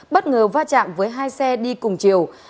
bất ngờ va chạm với hai xe đi cùng chiều